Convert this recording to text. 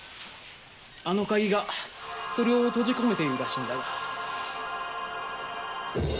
あの鍵がそれを閉じ込めているらしいんだが。